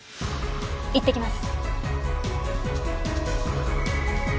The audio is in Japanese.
いってきます。